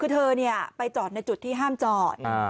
ทือเนี่ยไปจอดในจุดที่ห้ามจอก